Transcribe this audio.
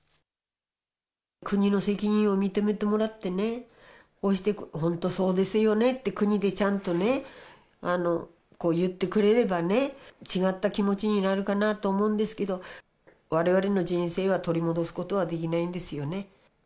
国の責任を認めてもらってね、本当、そうですよねって、国でちゃんとね、言ってくれればね、違った気持になるかなと思うんですけど、われわれの人生は取り戻すことはできないんですよね。